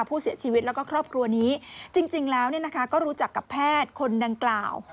ผู้เสียชีวิตแล้วก็ครอบครัวนี้จริงแล้วก็รู้จักกับแพทย์คนดังกล่าว